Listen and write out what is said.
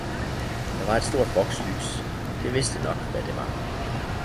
Der var et stort vokslys, det vidste nok hvad det var.